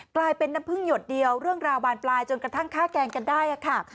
กลายเป็นน้ำพึ่งหยดเดียวเรื่องราวบานปลายจนกระทั่งฆ่าแกล้งกันได้ค่ะ